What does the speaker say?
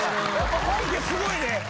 本家すごいね。